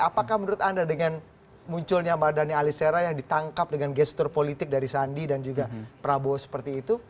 apakah menurut anda dengan munculnya mardani alisera yang ditangkap dengan gestur politik dari sandi dan juga prabowo seperti itu